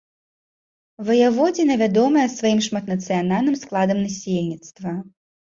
Ваяводзіна вядомая сваім шматнацыянальным складам насельніцтва.